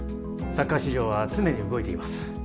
サッカー市場は常に動いています